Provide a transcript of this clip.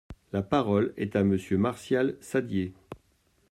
La parole est à Monsieur Martial Saddier.